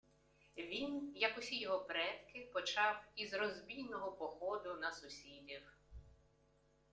Він, як усі його предки, почав із розбійного походу на сусідів